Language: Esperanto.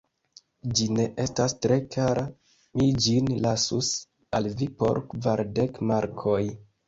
Ĝi ne estas tre kara, mi ĝin lasus al vi por kvardek markoj.